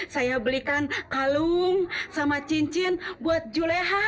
saya belikan kalung sama cincin buat juleha